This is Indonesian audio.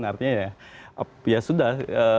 artinya ya ya sudah